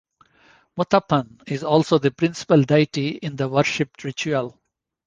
Muthappan is also the principal deity in the worship ritual.